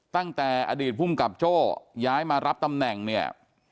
ตั้งแต่อดีตภูมิกับโจ้ย้ายมารับตำแหน่งเนี่ย